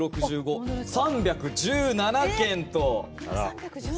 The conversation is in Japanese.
３１７件と。